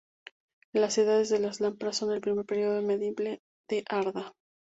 Las Edades de las Lámparas son el primer período medible de Arda.